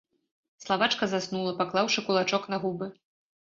Славачка заснула, паклаўшы кулачок на губы.